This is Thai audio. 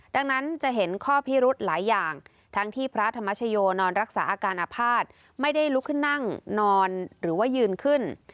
ดังนั้นจะเห็นข้อพิรุธหลายอย่างทั้งที่พระธรรมชโยนอนรักษาอาการอภาษณ์ไม่ได้ลุกขึ้นนั่งนอนหรือว่ายืนขึ้น